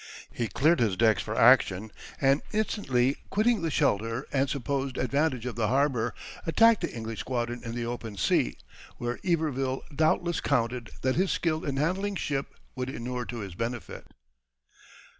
He cleared his decks for action, and instantly quitting the shelter and supposed advantage of the harbor, attacked the English squadron in the open sea, where Iberville doubtless counted that his skill in handling ship would inure to his benefit.